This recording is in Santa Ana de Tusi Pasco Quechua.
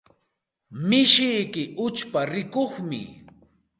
Mishiyki uchpa rikuqmi.